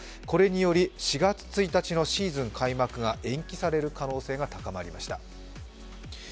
これにより４月１日のシーズン開幕が延期される可能性が高まりました。